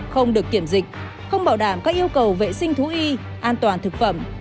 không được kiểm dịch không bảo đảm các yêu cầu vệ sinh thú y an toàn thực phẩm